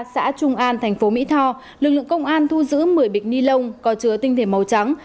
xã trung an tp mỹ thò lực lượng công an thu giữ một mươi bịch ni lông có chứa tinh thể màu trắng